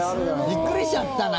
びっくりしちゃったな。